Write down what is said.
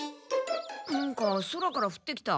なんか空からふってきた。